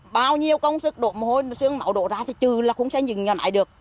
bao nhiêu công sức đổ mồ hôi sương máu đổ ra thì chứ là không sẽ nhìn nhau nãy được